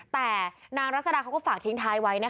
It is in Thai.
แต่นางรัศดาเขาก็ฝากทิ้งท้ายไว้นะคะ